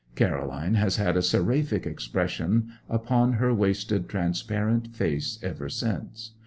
Caroline has had a seraphic expression upon her wasted, transparent face ever since.